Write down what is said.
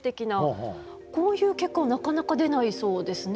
こういう結果はなかなか出ないそうですね。